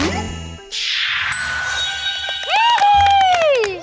ว้าว